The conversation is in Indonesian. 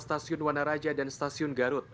stasiun wanaraja dan stasiun garut